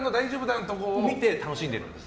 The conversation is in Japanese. ラテ欄を見て楽しんでるんです。